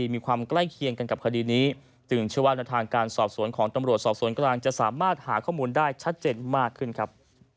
มันจะสามารถหาข้อมูลได้ชัดเจนมากขึ้นครับ